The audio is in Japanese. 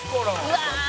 「うわ！」